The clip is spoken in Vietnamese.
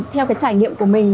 theo trải nghiệm của mình